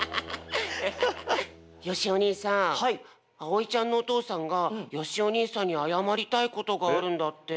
よしお兄さんあおいちゃんのおとうさんがよしお兄さんにあやまりたいことがあるんだって。